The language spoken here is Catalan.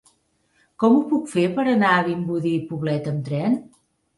Com ho puc fer per anar a Vimbodí i Poblet amb tren?